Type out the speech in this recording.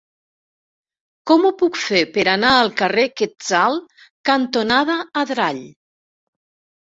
Com ho puc fer per anar al carrer Quetzal cantonada Adrall?